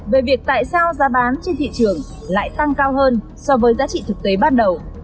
về việc tại sao giá bán trên thị trường lại tăng cao hơn so với giá trị thực tế ban đầu